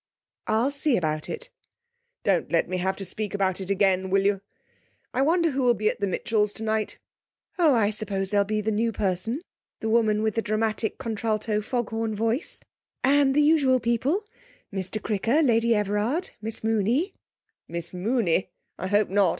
'I'll see about it.' 'Don't let me have to speak about it again, will you? I wonder who will be at the Mitchells' tonight?' 'Oh, I suppose there'll be the new person the woman with the dramatic contralto foghorn voice; and the usual people: Mr Cricker, Lady Everard, Miss Mooney ' 'Miss Mooney! I hope not!